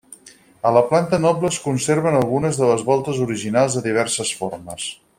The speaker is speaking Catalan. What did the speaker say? A la planta noble es conserven algunes de les voltes originals, de diverses formes.